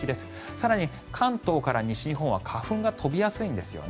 更に関東から西日本は花粉が飛びやすいんですね。